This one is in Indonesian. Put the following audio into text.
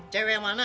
cewek yang mana